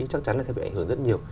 chắc chắn là sẽ bị ảnh hưởng rất nhiều